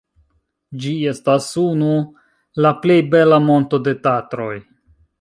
Ĝi estas unu la plej bela monto de Tatroj.